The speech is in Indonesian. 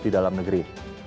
di dalam negeri